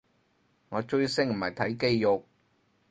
我追星唔係睇肌肉